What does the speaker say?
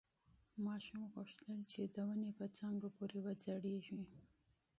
ماشوم غوښتل چې د ونې په څانګو پورې وځړېږي.